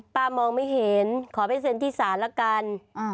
มองไม่เห็นขอไปเซ็นที่ศาลละกัน